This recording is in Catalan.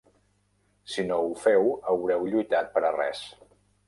Si no ho feu, haureu lluitat per a res.